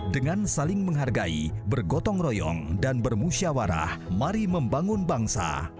dengan saling menghargai bergotong royong dan bermusyawarah mari membangun bangsa